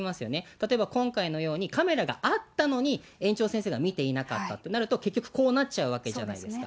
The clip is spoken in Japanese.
例えば今回のように、カメラがあったのに、園長先生が見ていなかったってなると、結局、こうなっちゃうわけじゃないですか。